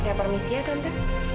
saya permisi ya tante